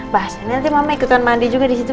basah nanti mama ikutan mandi juga di situ